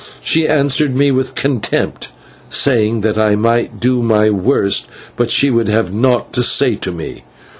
She answered me with contempt, saying that I might do my worst, but she would have naught to say to me.